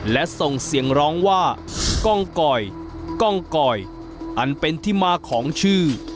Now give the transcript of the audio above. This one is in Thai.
และส่งเสียงร้องว่ากล้องกอยกล้องกอยอันเป็นที่มาของชื่อ